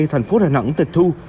thành phố đà nẵng tịch thu